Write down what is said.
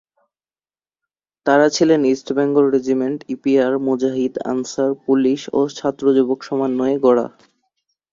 তারা ছিলেন East Bengal regiment, EPR, মুজাহিদ, আনসার, পুলিশ ও ছাত্র-যুবক সমন্বয়ে গড়া।